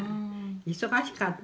忙しかった。